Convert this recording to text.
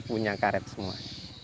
punya karet semua